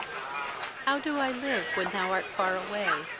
How do I live when thou art far away?